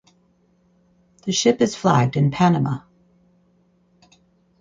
The ship is flagged in Panama.